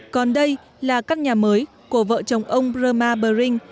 còn đây là căn nhà mới của vợ chồng ông broma bering